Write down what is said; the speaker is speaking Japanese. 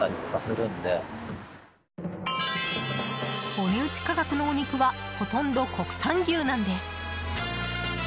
お値打ち価格のお肉はほとんど国産牛なんです。